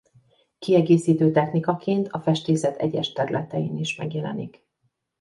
Kiegészítő technikaként a festészet egyes területein is megjelenik.